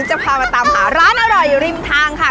จะพามาตามหาร้านอร่อยริมทางค่ะ